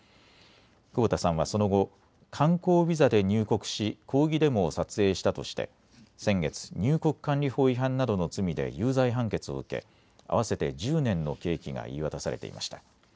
久保田さんはその後、観光ビザで入国し抗議デモを撮影したとして先月、入国管理法違反などの罪で有罪判決を受け、合わせて１０年の刑期が言い渡されていました。